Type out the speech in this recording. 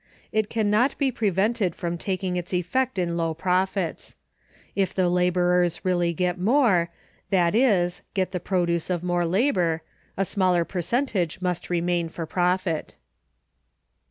It can not be prevented from taking its effect in low profits. If the laborers really get more, that is, get the produce of more labor, a smaller percentage must remain for profit.